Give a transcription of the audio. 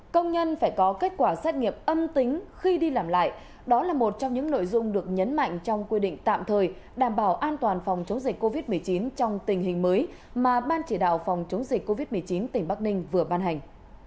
công nhân phải có kết quả xét nghiệm âm tính khi đi làm lại đó là một trong những nội dung được nhấn mạnh trong quy định tạm thời đảm bảo an toàn phòng chống dịch covid một mươi chín trong tình hình mới mà ban chỉ đạo phòng chống dịch covid một mươi chín tỉnh bắc ninh vừa ban hành